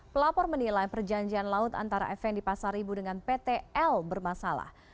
pelapor menilai perjanjian laut antara fnd pasar ibu dengan ptl bermasalah